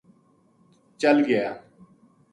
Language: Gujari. چل گیا